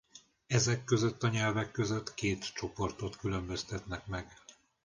Ezek között a nyelvek között két csoportot különböztetnek meg.